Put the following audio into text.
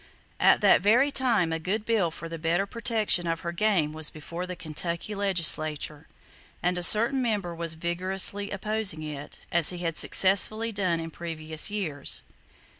At that very time, a good bill for the better protection of her game was before the Kentucky legislature; and a certain member was vigorously opposing it, as he had successfully done in previous years.